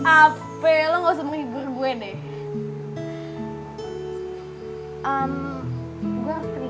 apa lo gak usah menghibur gue deh